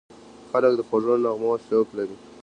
خلک د خوږو نغمو شوق لري.